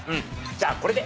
じゃあこれで。